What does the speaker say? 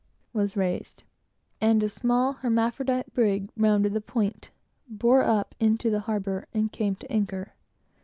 was raised, and a small hermaphrodite brig rounded the point, bore up into the harbor, and came to anchor.